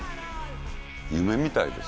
夢みたいです